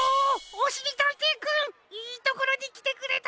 おしりたんていくんいいところにきてくれた。